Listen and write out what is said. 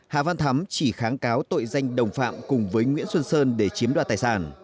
hà văn thắm chỉ kháng cáo tội danh đồng phạm cùng với nguyễn xuân sơn để chiếm đoạt tài sản